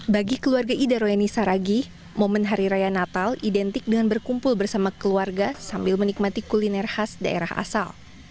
bagi keluarga ida royani saragih momen hari raya natal identik dengan berkumpul bersama keluarga sambil menikmati kuliner khas daerah asal